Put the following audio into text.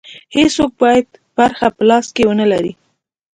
هېڅوک باید برخه په لاس کې ونه لري.